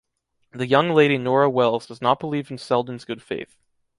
The young lady Nora Wells does not believe in Seldon's good faith.